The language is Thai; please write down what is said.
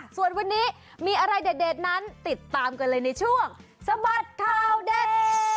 ส่วนวันนี้มีอะไรเด็ดนั้นติดตามกันเลยในช่วงสะบัดข่าวเด็ด